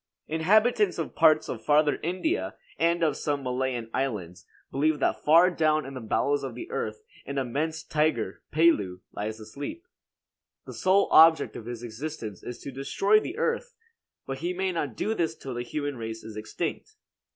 Inhabitants of parts of Farther India and of some Malayan islands believe that far down in the bowels of the earth an immense tiger, Pelu, lies asleep. The sole object of his existence is to destroy the earth; but he may not do this till the human race is extinct.